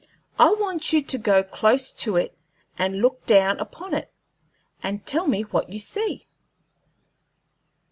I want you to go close to it and look down upon it, and tell me what you see."